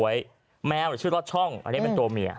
ชื่อเลื่อนลดช่องอะนี้เป็นตัวเหมีย